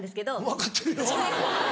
分かってるよ。